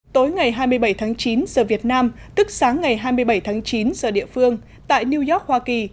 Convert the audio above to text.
tối ngày hai mươi bảy tháng chín giờ việt nam tức sáng ngày hai mươi bảy tháng chín giờ địa phương tại new york hoa kỳ